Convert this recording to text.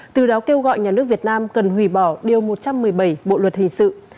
từ đó kêu gọi nhà nước việt nam cần hủy bỏ điều một trăm một mươi bảy bộ luật hình sự